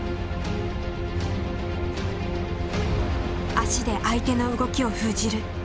足で相手の動きを封じる。